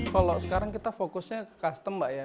kalau sekarang kita fokusnya ke custom mbak ya